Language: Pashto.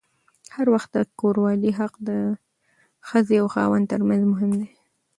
هر وخت د کوروالې حق د ښځې او خاوند ترمنځ مهم دی.